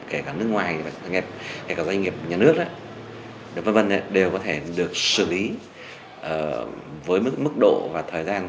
kể cả nước ngoài kể cả doanh nghiệp nhà nước v v đều có thể được xử lý với mức độ và thời gian